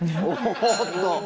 おぉっと！